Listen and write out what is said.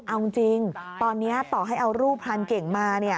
เอาจริงตอนนี้ต่อให้เอารูปพรานเก่งมา